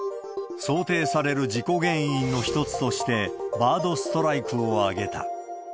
想定される事故原因の一つとして、バードストライクを挙げた。